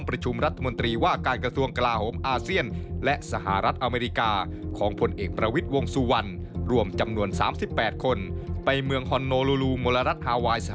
ผมถามที่ว่าการแบบประชุมเนี่ยเครื่องบินบินตรงมีไหมมีไหม